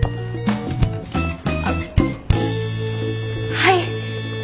はい。